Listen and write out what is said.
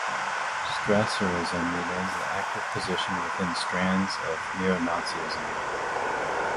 Strasserism remains an active position within strands of neo-Nazism.